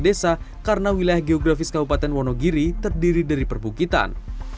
desa karena wilayah geografis kabupaten wonogiri terdiri dari perbukitan